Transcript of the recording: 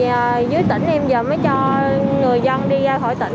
thì dưới tỉnh em giờ mới cho người dân đi ra khỏi tỉnh